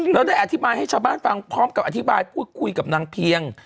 แล้วได้อธิบายให้ชาวบ้านฟังพร้อมกับอธิบายพูดคุยกับนางเพียง